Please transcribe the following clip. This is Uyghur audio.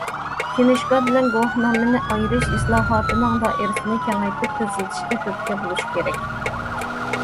« كىنىشكا بىلەن گۇۋاھنامىنى ئايرىش» ئىسلاھاتىنىڭ دائىرىسىنى كېڭەيتىپ تېزلىتىشكە تۈرتكە بولۇش كېرەك.